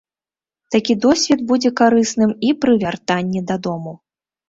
Такі досвед будзе карысным і пры вяртанні дадому.